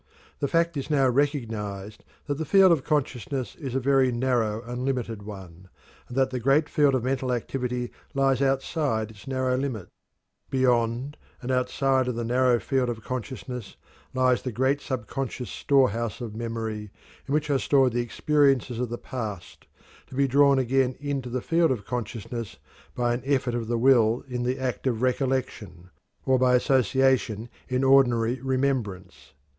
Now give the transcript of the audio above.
The fact is now recognized that the field of consciousness is a very narrow and limited one, and that the great field of mental activity lies outside of its narrow limits. Beyond and outside of the narrow field of consciousness lies the great subconscious storehouse of memory in which are stored the experiences of the past, to be drawn again into the field of consciousness by an effort of the will in the act of recollection, or by association in ordinary remembrance.